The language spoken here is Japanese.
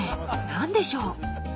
［何でしょう？］